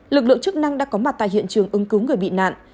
lực lượng chức năng đã có mặt tại hiện trường ưng cứu người bị nạn